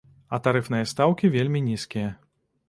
А тарыфныя стаўкі вельмі нізкія.